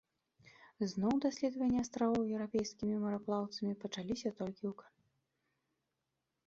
Зноў даследаванні астравоў еўрапейскімі мараплаўцамі пачаліся толькі ў кан.